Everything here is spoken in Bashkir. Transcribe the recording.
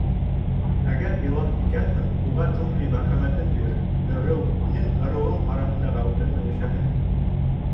Әгәр илаһ икәнһең, уға джунгли мәрхәмәтен бир: ырыу... һинең ырыуың араһында хәүефләнмәй йәшәһен.